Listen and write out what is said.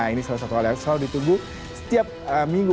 ini salah satu hal yang selalu ditunggu setiap minggu